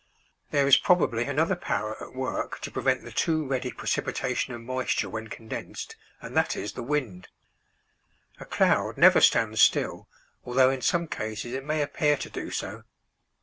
There is probably another power at work to prevent the too ready precipitation of moisture when condensed, and that is the wind. A cloud never stands still, although in some cases it may appear to do so.